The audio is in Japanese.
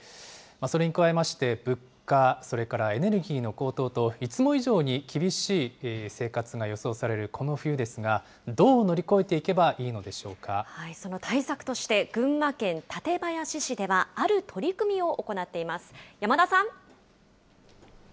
それに加えまして、物価、それからエネルギーの高騰と、いつも以上に厳しい生活が予想されるこの冬ですが、どう乗り越えその対策として、群馬県館林市ではある取り組みを行っています。